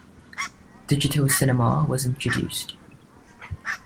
Digital Cinema was introduced.